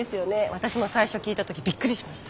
私も最初聞いた時びっくりしました。